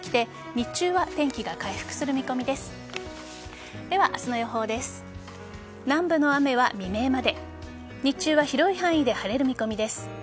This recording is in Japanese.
日中は広い範囲で晴れる見込みです。